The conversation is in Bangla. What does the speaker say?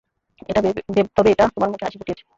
তবে এটা তোমার মুখে হাসি ফুটিয়েছে।